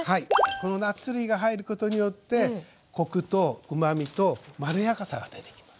このナッツ類が入ることによってコクとうまみとまろやかさが出てきます。